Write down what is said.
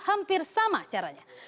hampir sama caranya